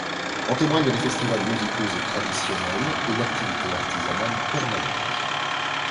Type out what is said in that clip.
En témoignent les festivals musicaux et traditionnels et l'activité artisanale permanente.